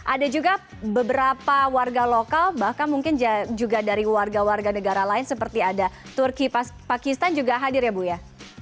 ada juga beberapa warga lokal bahkan mungkin juga dari warga warga negara lain seperti ada turki pakistan juga hadir ya bu ya